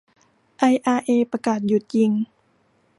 ไออาร์เอประกาศหยุดยิง